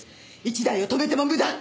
一台を止めても無駄！